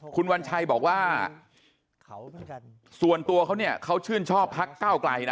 คุณวัญชัยบอกว่าส่วนตัวเขาเนี่ยเขาชื่นชอบพักเก้าไกลนะ